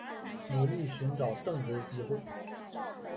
努力寻找正职机会